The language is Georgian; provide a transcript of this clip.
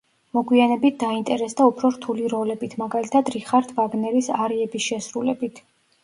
მოგვიანებით დაინტერესდა უფრო რთული როლებით, მაგალითად რიხარდ ვაგნერის არიების შესრულებით.